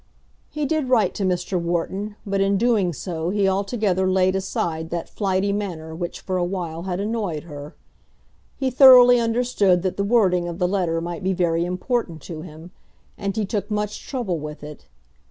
He did write to Mr. Wharton, but in doing so he altogether laid aside that flighty manner which for a while had annoyed her. He thoroughly understood that the wording of the letter might be very important to him, and he took much trouble with it.